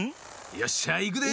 よっしゃいくで！